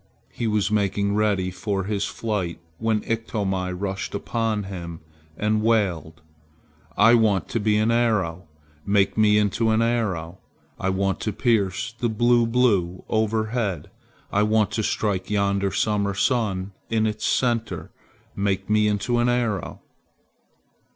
He was making ready for his flight when Iktomi rushed upon him and wailed, "I want to be an arrow! Make me into an arrow! I want to pierce the blue Blue overhead. I want to strike yonder summer sun in its center. Make me into an arrow!"